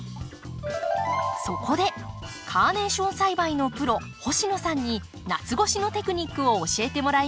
そこでカーネーション栽培のプロ星野さんに夏越しのテクニックを教えてもらいます。